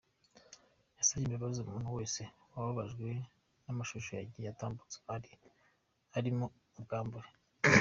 Yasabye imbabazi umuntu wese wababajwe n’amashusho yagiye atambutsa arimo ubwambure.